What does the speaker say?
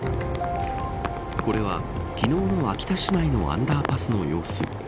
これは昨日の秋田市内のアンダーパスの様子。